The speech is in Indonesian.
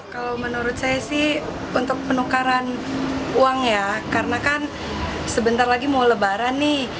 kalau menurut saya sih untuk penukaran uang ya karena kan sebentar lagi mau lebaran nih